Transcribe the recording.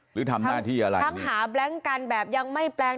หรือทำหน้าที่อะไรทั้งหาแบล็งกันแบบยังไม่แปลง